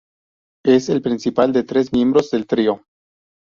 Es el principal de tres miembros del trío.